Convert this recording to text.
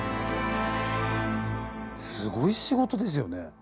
すごい仕事ですよね。